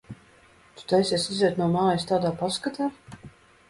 Tu taisies iziet no mājas tādā paskatā?